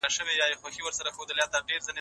سرچینې محدودې دي.